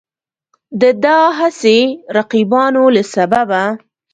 د دا هسې رقیبانو له سببه